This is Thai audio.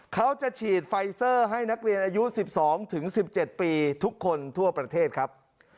เขาจะฉีดไฟเซอร์ให้นักเรียนอายุ๑๒๑๗ปีทุกคนทั่วประเทศครับ